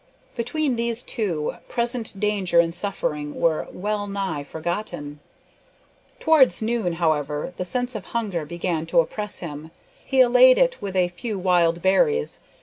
Between these two, present danger and suffering were well nigh forgotten. Towards noon, however, the sense of hunger began to oppress him. He allayed it with a few wild berries.